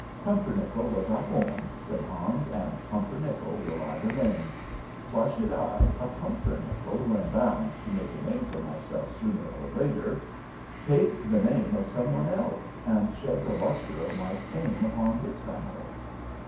"Pumpernickel was I born," said Hans, "and Pumpernickel will I remain. Why should I, a Pumpernickel who am bound to make a name for myself sooner or later, take the name of some one else, and shed the lustre of my fame upon his family?"